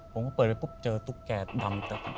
ผมก็เปิดไปปุ๊บเจอตุ๊กแก่ดำ